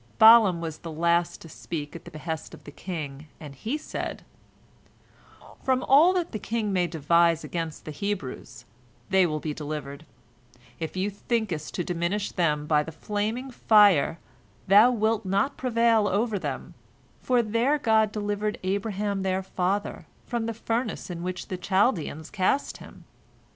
Balaam was the last to speak at the behest of the king, and he said: "From all that the king may devise against the Hebrews, they will be delivered. If thou thinkest to diminish them by the flaming fire, thou wilt not prevail over them, for their God delivered Abraham their father from the furnace in which the Chaldeans cast him.